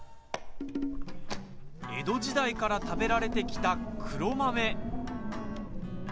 江戸時代から食べられてきた黒豆。